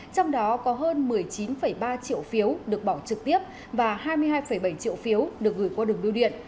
trong đó có hơn một mươi chín ba triệu phiếu được bỏ trực tiếp và hai mươi hai bảy triệu phiếu được gửi qua đường biêu điện